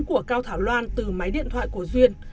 của cao thảo loan từ máy điện thoại của duyên